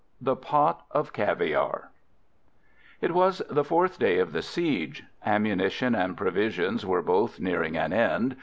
THE POT OF CAVIARE It was the fourth day of the siege. Ammunition and provisions were both nearing an end.